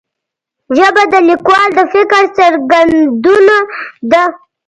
ژبه د لیکوال د فکر څرګندونه ده